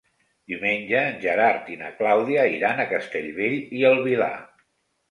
Diumenge en Gerard i na Clàudia iran a Castellbell i el Vilar.